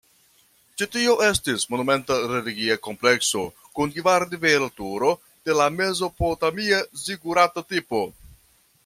Ĉi tio estis monumenta religia komplekso kun kvar-nivela turo de la mezopotamia zigurata tipo.